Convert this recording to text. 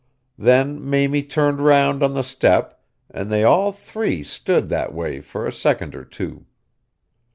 Then Mamie turned round on the step, and they all three stood that way for a second or two.